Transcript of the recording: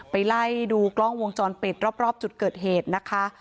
ไปไล่ดูกล้องวงจรปิดรอบจุดเกิดเหตุนะคะ